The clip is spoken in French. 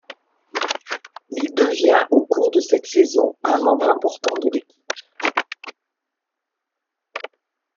Il devient, au cours de cette saison, un membre important de l'équipe.